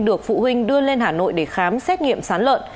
được phụ huynh đưa lên hà nội để khám xét nghiệm sán lợn